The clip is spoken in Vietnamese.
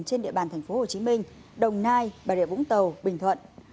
trên địa bàn tp hcm đồng nai bà rịa vũng tàu bình thuận